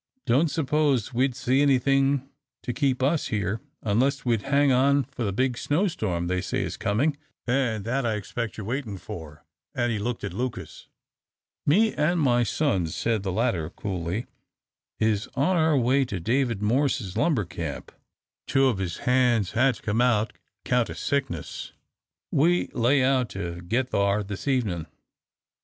"Don't suppose we'd see anything to keep us here, unless we'd hang on for the big snow storm they say is coming, and that I expect you're waiting for," and he looked at Lucas. "Me an' my sons," said the latter, coolly, "is on our way to David Morse's lumber camp. Two of his hands had to come out 'count o' sickness. We lay out to git thar this evenin'.